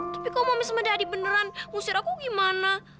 tapi kalau mami smedadi beneran ngusir aku gimana